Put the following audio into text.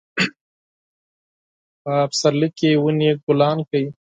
په پسرلي کې ونې ګلان کوي